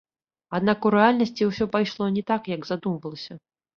Аднак у рэальнасці ўсё пайшло не так, як задумвалася.